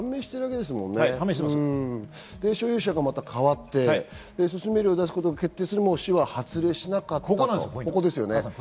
で、所有者が変わって、措置命令を出すことを決定するも市は発令しなかった、ここですね。